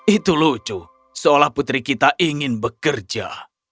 itu lucu seolah putri kita ingin bekerja